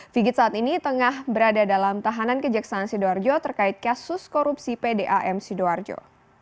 vigit saat ini tengah berada dalam tahanan kejaksaan sidoarjo terkait kasus korupsi pdam sidoarjo